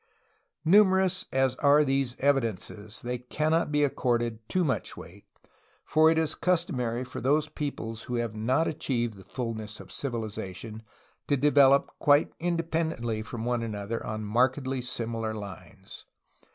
Numerous as'are these evidences, they cannot be accorded too much weight, for it is customary for those peoples who have not achieved the fullness of civilization to develop quite independently from one another on markedly similar lines.